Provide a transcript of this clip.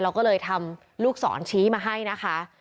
เราก็เลยทำลูกศรชี้มาให้นะคะ